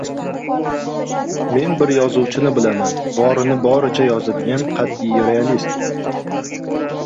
Men bir yozuvchini bilaman – borini boricha yozadigan qatʼiy realist.